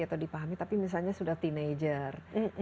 atau dipahami tapi misalnya sudah teenager